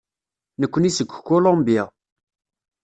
Nekkni seg Colombia.